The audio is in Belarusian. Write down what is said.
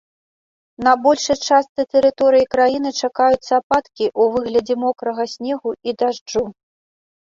На большай частцы тэрыторыі краіны чакаюцца ападкі ў выглядзе мокрага снегу і дажджу.